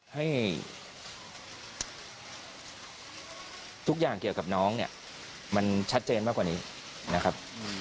ให้ทุกอย่างเกี่ยวกับน้องเนี่ยมันชัดเจนมากกว่านี้นะครับ